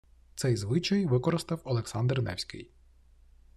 Цей звичай використав Олександр Невський